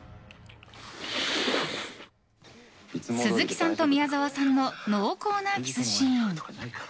鈴木さんと宮沢さんの濃厚なキスシーン。